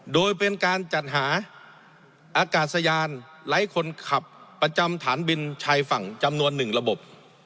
โดยเป็นการจัดหาอากาศยานไร้คนขับประจำฐานบินชายฝั่งจำนวน๑ระบบ